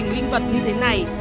trong linh vật như thế này